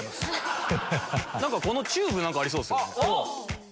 このチューブ何かありそうですよね。